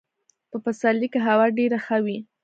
په پسرلي کي هوا ډېره ښه وي .